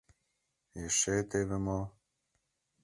Эше теве мо...